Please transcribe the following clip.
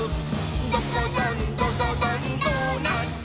「ドコドン、ドドドン、ドーナツ！」